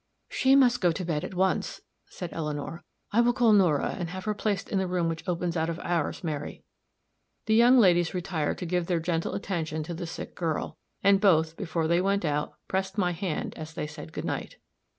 "She must go to bed at once," said Eleanor; "I will call Nora, and have her placed in the room which opens out of ours, Mary." The young ladies retired to give their gentle attention to the sick girl; and both, before they went out, pressed my hand as they said good night.